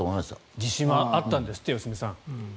自信はあったんですって良純さん。